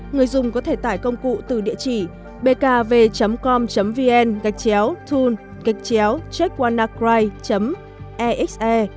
người dùng có thể tải công cụ từ địa chỉ bkav com vn tool checkwannacry exe